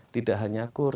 tidak hanya kur